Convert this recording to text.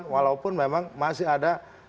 walaupun memang masih ada